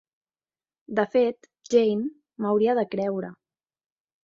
De fet, Jane, m'hauria de creure.